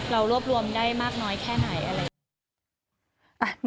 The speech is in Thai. เรารวบรวมได้มากน้อยแค่ไหน